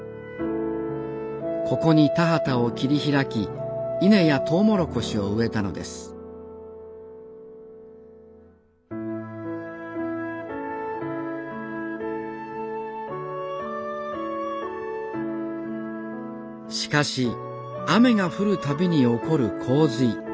ここに田畑を切り開き稲やトウモロコシを植えたのですしかし雨が降るたびに起こる洪水。